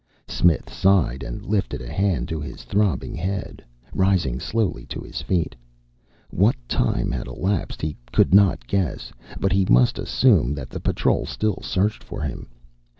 Smith sighed and lifted a hand to his throbbing head, rising slowly to his feet. What time had elapsed he could not guess, but he must assume that the Patrol still searched for him.